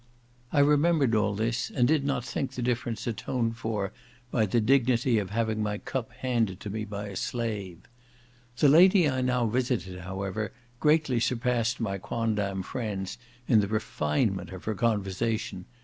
I remembered all this, and did not think the difference atoned for, by the dignity of having my cup handed to me by a slave. The lady I now visited, however, greatly surpassed my quondam friends in the refinement of her conversation.